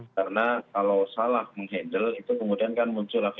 karena kalau salah meng handle itu kemudian kan muncul